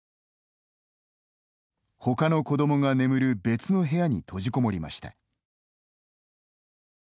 ほかの子どもが眠る別の部屋に閉じこもりました。